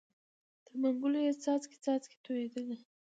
تر منګول یې څاڅکی څاڅکی تویېدلې